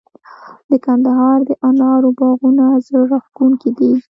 د کندهار د انارو باغونه زړه راښکونکي دي.